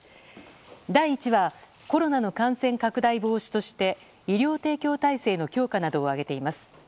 第１はコロナの感染拡大防止として医療提供体制の強化などを挙げています。